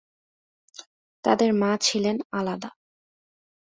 তাদের মা ছিলেন আলাদা।